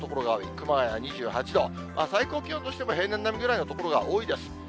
熊谷２８度、最高気温としても平年並みぐらいの所が多いです。